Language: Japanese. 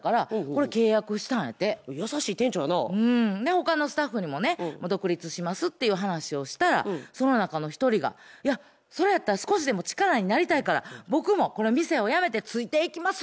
他のスタッフにもね独立しますっていう話をしたらその中の一人が「それやったら少しでも力になりたいから僕もこの店を辞めてついていきます」って言うてくれたんやて。